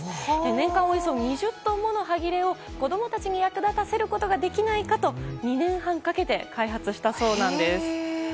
年間およそ２０トンもの端切れを子供たちに役立たせることができないかと２年半かけて開発したそうなんです。